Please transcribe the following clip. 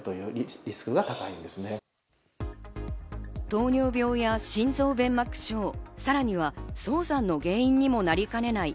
糖尿病や心臓弁膜症、さらには早産の原因にもなりかねない